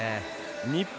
日本